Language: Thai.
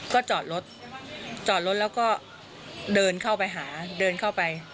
ก็จอดรถจอดรถแล้วก็เดินเข้าไปหาเดินเข้าไป